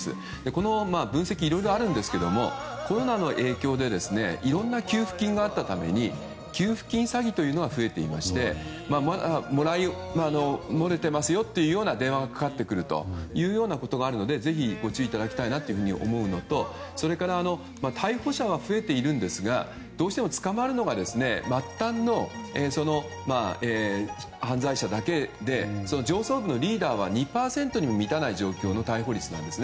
この分析、いろいろあるんですがコロナの影響でいろいろな給付金があったために給付金詐欺が増えていてもらい漏れていますよという電話がかかってくるというようなことがあるのでぜひ、ご注意いただきたいと思うのと逮捕者は増えてるんですがどうしても捕まるのが末端の犯罪者だけで上層部のリーダーは２％にも満たない状況の逮捕率なんです。